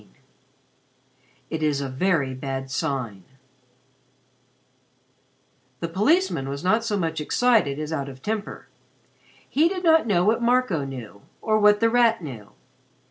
XVII "IT IS A VERY BAD SIGN" The policeman was not so much excited as out of temper. He did not know what Marco knew or what The Rat knew.